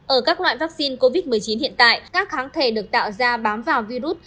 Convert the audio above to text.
ở các loại vaccine covid một mươi chín hiện tại các kháng thể được tạo ra bám vào virus